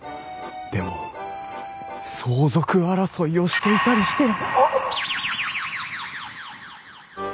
でも相続争いをしていたりして！